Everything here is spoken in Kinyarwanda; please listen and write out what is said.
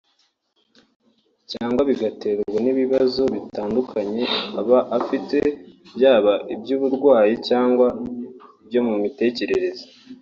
cyangwa bigaterwa n’ibibazo bitandukanye aba afite byaba iby’uburwayi cyangwa ibyo mu mitekerereze